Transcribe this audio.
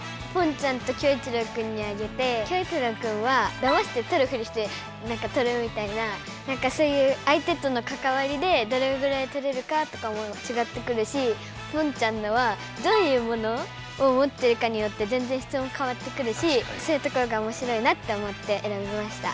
ちゃんとキョウイチロウくんにあげてキョウイチロウくんはだまして取るふりして取るみたいなそういう相手とのかかわりでどれぐらい取れるかとかもちがってくるしポンちゃんのはどういうモノを持ってるかによってぜんぜん質問かわってくるしそういうところがおもしろいなと思ってえらびました。